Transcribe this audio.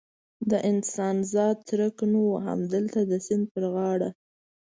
د انسان ذات څرک نه و، همدلته د سیند پر غاړه.